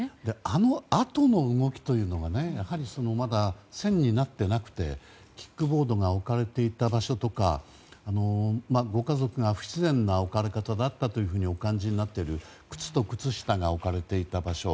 あのあとの動きというのがやはりまだ、線になってなくてキックボードが置かれていた場所とかご家族が不自然な置かれ方だったとお感じになっている靴と靴下が置かれていた場所。